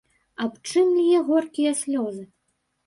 Аб чым лье горкія слёзы?